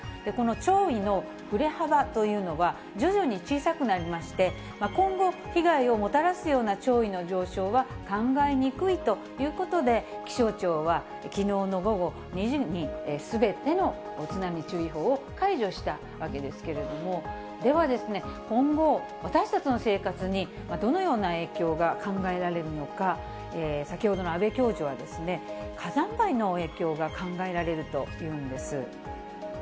この潮位の振れ幅というのは、徐々に小さくなりまして、今後、被害をもたらすような潮位の上昇は考えにくいということで、気象庁は、きのうの午後２時に、すべての津波注意報を解除したわけですけれども、では、今後、私たちの生活にどのような影響が考えられるのか、先ほどの阿部教授は、火山灰の影響が考えられるというんです。